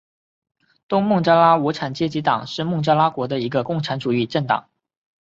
东孟加拉无产阶级党是孟加拉国的一个共产主义政党。